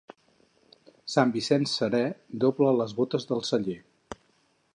Sant Vicenç serè, dobla les botes del celler.